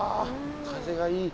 風がいい。